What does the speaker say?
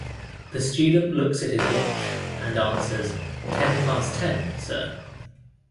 The student looks at his watch and answers ten past ten, sir.